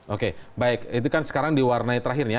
oke baik itu kan sekarang diwarnai terakhir ya